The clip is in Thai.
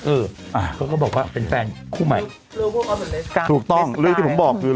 เขาก็บอกว่าเป็นแปลงคู่ใหม่ตรูต้องเรื่องที่ผมบอกคือ